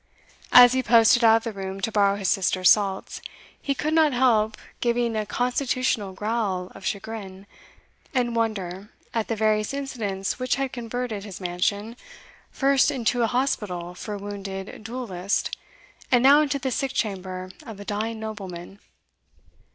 As he posted out of the room to borrow his sister's salts, he could not help giving a constitutional growl of chagrin and wonder at the various incidents which had converted his mansion, first into an hospital for a wounded duellist, and now into the sick chamber of a dying nobleman.